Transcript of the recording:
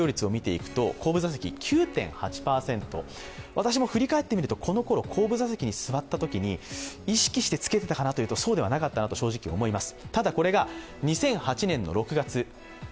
私も振り返ってみると、このころ後部座席に座ったときに意識してつけていたかなというと、そうではなかったなと、正直思います。